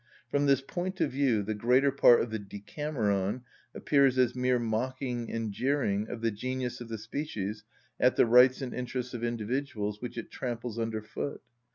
From this point of view the greater part of the "Decameron" appears as mere mocking and jeering of the genius of the species at the rights and interests of individuals which it tramples under foot.